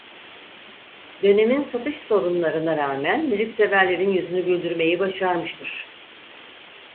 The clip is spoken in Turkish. Dönemin satış sorunlarına rağmen müzikseverlerin yüzünü güldürmeyi başarmıştır.